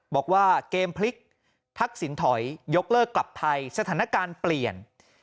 บอกว่าเกมพลิกทักษิณถอยยกเลิกกลับไทยสถานการณ์เปลี่ยน